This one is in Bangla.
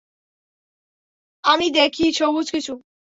আমি দেখি সবুজ কিছু।